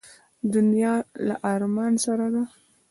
دنیا له ارمان سره ده.